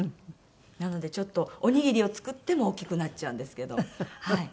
なのでちょっとおにぎりを作っても大きくなっちゃうんですけどはい。